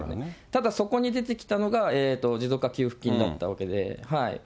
ただそこに出てきたのが、持続化給付金だったわけで。